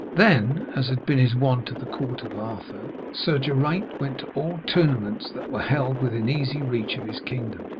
Then, as had been his wont at the court of Arthur, Sir Geraint went to all tournaments that were held within easy reach of his kingdom.